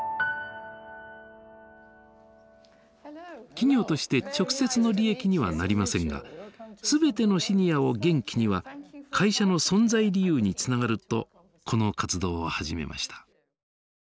企業として直接の利益にはなりませんが「すべてのシニアを元気に」は会社の存在理由につながるとこの活動を始めました。